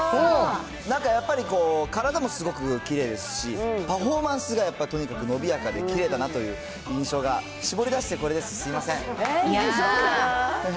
なんかやっぱり、体もすごくきれいですし、パフォーマンスがやっぱり、とにかくのびやかできれいだなという印象が、絞り出してこれですいやぁ。